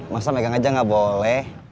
masa megang aja nggak boleh